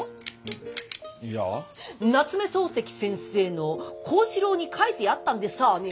夏目漱石先生の「幸四郎」に書いてあったんでさぁね！